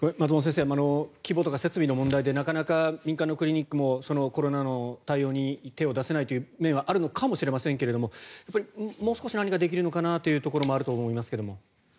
松本先生規模とか設備の問題でなかなか民間のクリニックもコロナの対応に手を出せないという面はあるのかもしれませんがやっぱりもう少し何かできるのかなというところもあると思いますが。